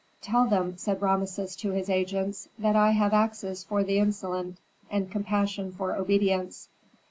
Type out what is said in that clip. "Tell them," said Rameses to his agents, "that I have axes for the insolent, and compassion for obedience.